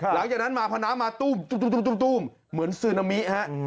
หลังจากนั้นมาพระน้ำมาตุ้มตุ้มเหมือนซึนามิครับ